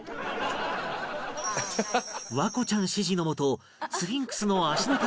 環子ちゃん指示のもとスフィンクスのそれは何？